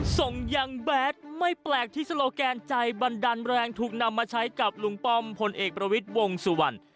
ส่งยังแบดไม่แปลกที่โซโลแกนใจบันดาลแรงถูกนำมาใช้กับลุงป้อมพลเอกประวิทย์วงสุวรรณ